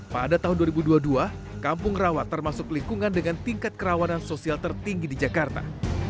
pada tahun dua ribu dua puluh dua kampung rawa termasuk lingkungan dengan tingkat kerawanan sosial tertinggi di jakarta